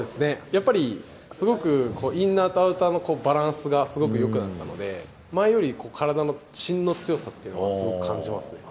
やっぱり、すごくインナーとアウターのバランスがすごくよくなったので、前より体のしんの強さっていうのをすごく感じますね。